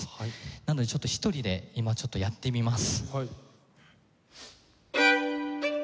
なのでちょっと１人で今やってみます。